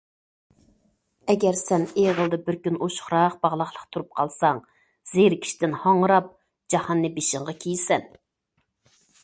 سەن ئەگەر ئېغىلدا بىر كۈن ئوشۇقراق باغلاقلىق تۇرۇپ قالساڭ زېرىكىشتىن ھاڭراپ جاھاننى بېشىڭغا كىيىسەن.